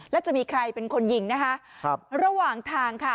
แล้วจะมีใครเป็นคนยิงนะคะครับระหว่างทางค่ะ